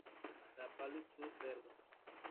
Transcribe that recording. La Palud-sur-Verdon